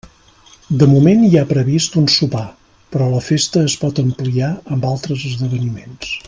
De moment hi ha previst un sopar, però la festa es pot ampliar amb altres esdeveniments.